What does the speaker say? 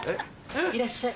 いらっしゃい。